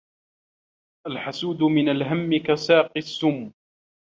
الْحَسُودُ مِنْ الْهَمِّ كَسَاقِي السُّمِّ